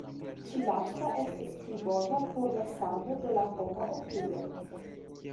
Ĉi lasta estas pli bona por la sano de la homa okulo.